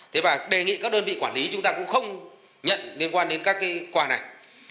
thế và đề nghị các đơn vị quản lý chúng ta cũng không nhận liên quan đến các cái quà này